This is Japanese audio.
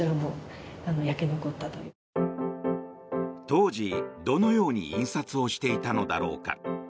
当時、どのように印刷をしていたのだろうか。